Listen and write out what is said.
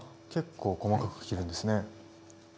結構細かく切るんですね。